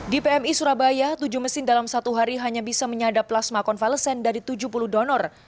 di pmi surabaya tujuh mesin dalam satu hari hanya bisa menyadap plasma konvalesen dari tujuh puluh donor